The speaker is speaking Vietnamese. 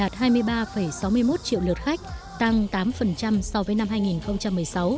đạt hai mươi ba sáu mươi một triệu lượt khách tăng tám so với năm hai nghìn một mươi sáu